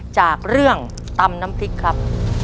จากเรื่องตำน้ำพริกครับ